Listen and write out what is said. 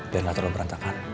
biar gak terlalu berantakan